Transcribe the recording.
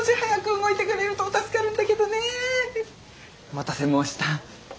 お待たせ申した。